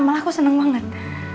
malah aku seneng banget